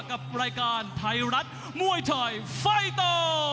กับรายการไทยรัฐมวยไทยไฟเตอร์